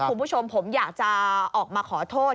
คุณผู้ชมผมอยากจะออกมาขอโทษ